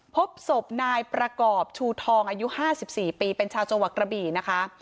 พบศพนายประกอบชูทองอายุ๕๔ปีเป็นชาวจังหวัดกระบี่นะคะ